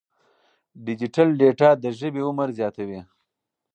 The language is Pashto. ډیجیټل ډیټا د ژبې عمر زیاتوي.